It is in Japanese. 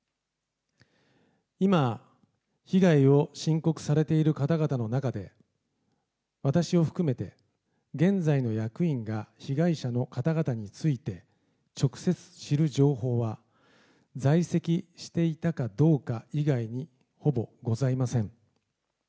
今、被害を申告されている方々の中で、私を含めて、現在の役員が被害者の方々について、直接知る情報は、在籍していたかどうか以外にほぼございません。